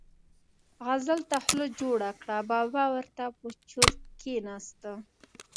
غزل ته خوله جوړه کړه، بابا ور ته په چرت کېناست.